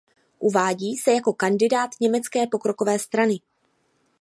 Uvádí se jako kandidát Německé pokrokové strany.